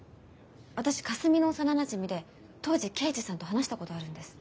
私かすみの幼なじみで当時刑事さんと話したことあるんです。